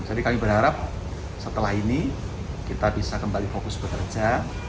jadi kami berharap setelah ini kita bisa kembali fokus bekerja